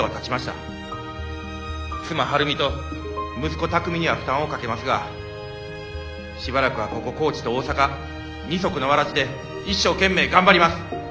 妻晴美と息子巧海には負担をかけますがしばらくはここ高知と大阪二足のわらじで一生懸命頑張ります！